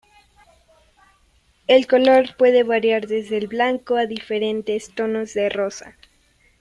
El color puede variar desde el blanco a diferentes tonos de rosa.